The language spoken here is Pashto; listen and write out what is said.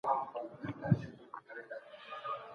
که تدریس مسلکي وي نو پوهنه لوړیږي.